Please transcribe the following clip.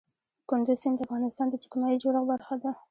کندز سیند د افغانستان د اجتماعي جوړښت برخه ده.